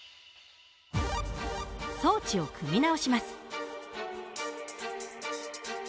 装置を組み直します。